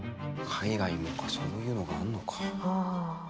海外にもそういうのがあんのか。